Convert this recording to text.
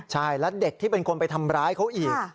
ใช่และเด็กที่เป็นคนไปทำร้ายเขาอีก